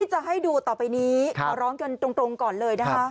จะให้ดูต่อไปนี้ขอร้องกันตรงก่อนเลยนะคะ